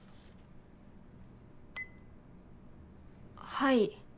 はい。